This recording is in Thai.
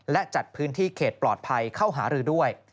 และจัดพื้นที่เขตปลอดภัยเข้าหารือด้วย